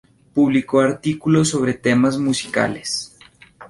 Publicó artículos sobre temas musicales.